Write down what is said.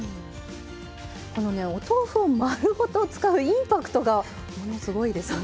このねお豆腐を丸ごと使うインパクトがすごいですね！